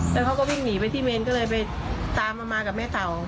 แล้วเขาก็วิ่งหนีไปที่เมนก็เลยไปตามมากับแม่เต่า